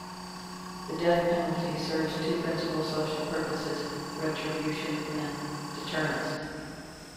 The death penalty serves two principal social purposes-retribution and deterrence.